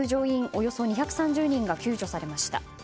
およそ２３０人が救助されました。